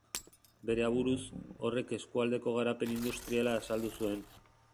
Bere aburuz, horrek eskualdeko garapen industriala azaldu zuen.